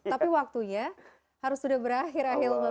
tapi waktunya harus sudah berakhir ahilman